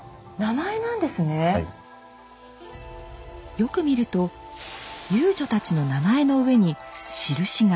よく見ると遊女たちの名前の上に印が。